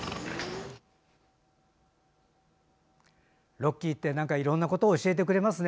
ロッキーっていろんなことを教えてくれますね